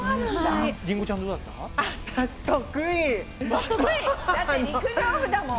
りんごちゃんどうだった？